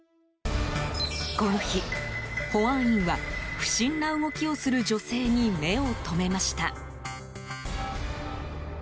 この日、保安員は不審な動きをする女性に目を留めました。